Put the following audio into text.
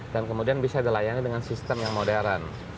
dan kemudian bisa dilayani dengan sistem yang modern